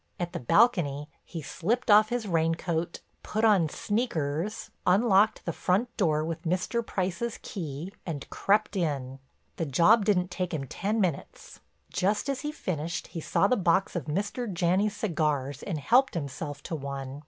At the balcony he slipped off his rain coat, put on sneakers, unlocked the front door with Mr. Price's key, and crept in. The job didn't take him ten minutes; just as he finished he saw the box of Mr. Janney's cigars and helped himself to one.